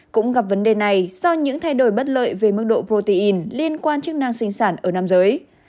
cũng gặp vấn đề này do những thay đổi bất lợi về mức độ protein liên quan chức năng sinh sản ở nam giới